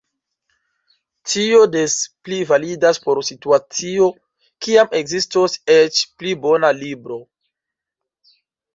Tio des pli validas por situacio kiam ekzistos eĉ pli bona libro.